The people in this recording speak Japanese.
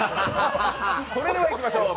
それではいきましょう。